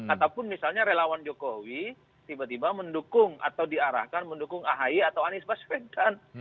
ataupun misalnya relawan jokowi tiba tiba mendukung atau diarahkan mendukung ahy atau anies baswedan